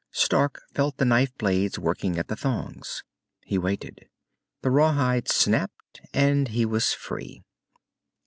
Stark felt the knife blades working at the thongs. He waited. The rawhide snapped, and he was free.